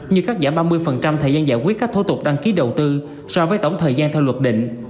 như cắt giảm ba mươi thời gian giải quyết các thô tục đăng ký đầu tư so với tổng thời gian theo luật định